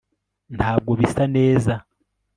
ntabwo bisa neza